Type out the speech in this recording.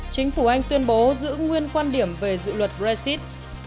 chính phủ anh tuyên bố giữ nguyên quan điểm về dự luật brexit